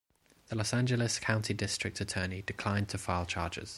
The Los Angeles County District Attorney declined to file charges.